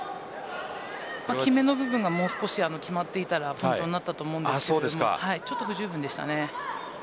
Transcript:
決めの部分がもう少し決まっていたらポイントになったと思いますが少し不十分でした。